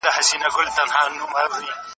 .دا هم ستا د میني شور دی پر وطن چي افسانه یم